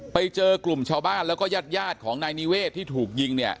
ไปเจอกลุ่มชาวบ้านแล้วก็ญาติของนายนิเวศที่ถูกยิงเนี่ย